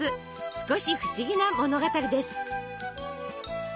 少し不思議な物語です。